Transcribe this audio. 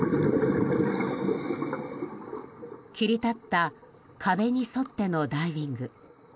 切り立った壁に沿ってのダイビング。